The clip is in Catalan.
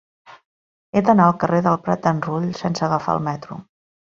He d'anar al carrer del Prat d'en Rull sense agafar el metro.